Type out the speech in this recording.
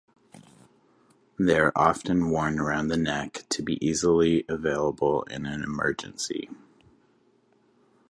They are often worn around the neck to be easily available in an emergency.